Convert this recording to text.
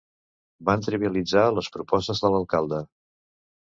Van trivialitzar les propostes de l'alcalde.